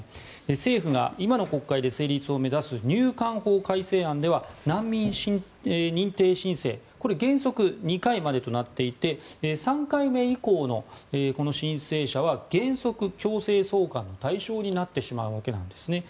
政府が今の国会で成立を目指す入管法改正案では、難民認定申請これは原則、２回までとなっていて３回目以降の申請者は原則、強制送還の対象になってしまうわけなんですね。